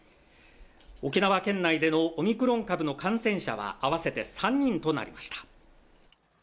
沖縄県内でのオミクロン株の感染者は合わせて３人となりました。